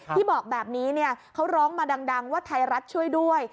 ที่บอกแบบนี้เขาร้องมาดังว่าไทยรัฐช่วยด้วย